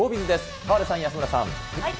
河出さん、安村さん。